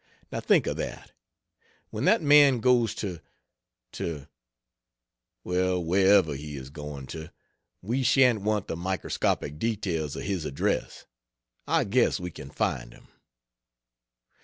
Now think of that! When that man goes to to well, wherever he is going to we shan't want the microscopic details of his address. I guess we can find him.